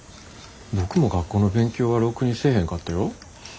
僕も学校の勉強はろくにせえへんかったよ。